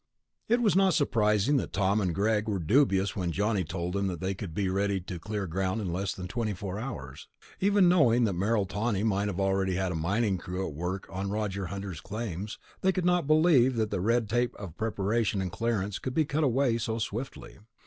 It was not surprising that Tom and Greg were dubious when Johnny told them they could be ready to clear ground in less than twenty four hours. Even knowing that Merrill Tawney might already have a mining crew at work on Roger Hunter's claims, they could not believe that the red tape of preparation and clearance could be cut away so swiftly.